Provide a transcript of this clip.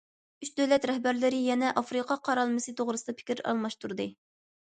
ئۈچ دۆلەت رەھبەرلىرى يەنە ئافرىقا قارالمىسى توغرىسىدا پىكىر ئالماشتۇردى.